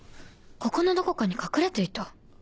ここのどこかに隠れていた⁉